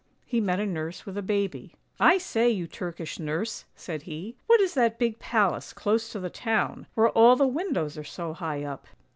He met a nurse with a baby. " I say, you Turkish nurse," said he, " what is that big palace close to the town, where all the windows are so high up?